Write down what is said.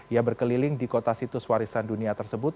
ia berkeliling di kota situs warisan dunia tersebut